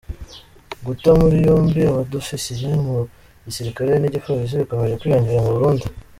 Guta muri yombi abofisiye mu gisirikare n’igipolisi bikomeje kwiyongera mu Burundi.